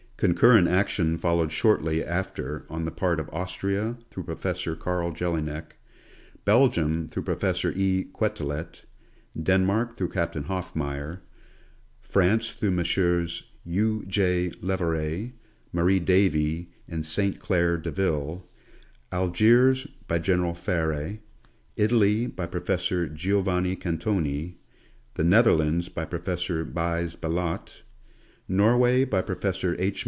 Con current action followed shortly after on the part of Austria, through Professor Carl Jelinek ; Belgium through Professor E. Quetelet ; Denmark through Capt. Hoffmeyer ; France through Monsieurs U. J. Leverrier, Marie Davy, and St. Claire Deville ; Algiers by General Farre ; Italy by Professor Giovanni Cantoni ; the Netherlands by Professor Buys Ballot ; Norway by Professor H.